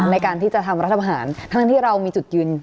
ในการที่จะทำรัฐประหารทั้งที่เรามีจุดยืน